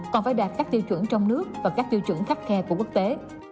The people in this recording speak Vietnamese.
còn phải đạt các tiêu chuẩn trong nước và các tiêu chuẩn khắt khe của quốc tế